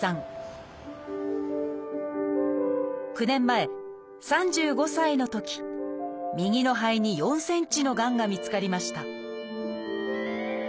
９年前３５歳のとき右の肺に４ｃｍのがんが見つかりました